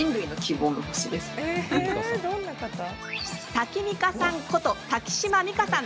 タキミカさん、こと瀧島未香さん。